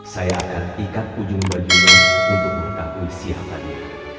saya akan ikat ujung baliunya untuk mengetahui siapanya